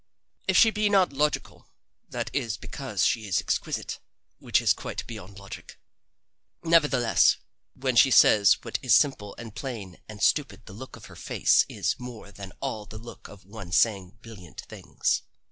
If she be not logical, that is because she is exquisite, which is quite beyond logic. Nevertheless, when she says what is simple and plain and stupid the look of her face is more than all the look of one saying brilliant things.